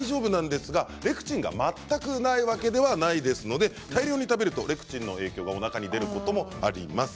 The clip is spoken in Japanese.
マッシュルームは生で食べても大丈夫なんですがレクチンが全くないわけではないですので大量に食べるとレクチンの影響がおなかに出ることもあります。